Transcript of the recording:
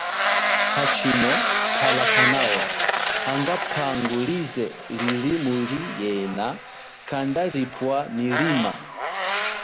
Hachino tala kanawa hanga pangu lize lili muli yena kanda lipwa milima.